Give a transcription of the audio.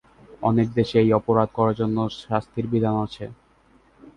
অনেক দেশে এই অপরাধ করার জন্য শাস্তির বিধান আছে।